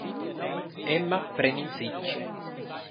Emma pren in sitg.